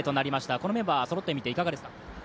このメンバーそろってみていかがですか？